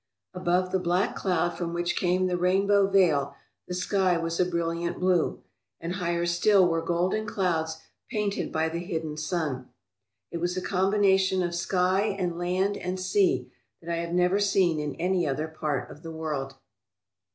Above the black cloud from which came the rainbow veil the sky was a brilliant blue, and higher still were golden clouds painted by the hidden sun. It was a combination of sky and land and sea that I have never seen in any other part of the world.